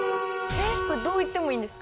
どう行ってもいいんですか？